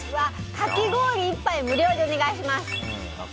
かき氷１杯無料でお願いします。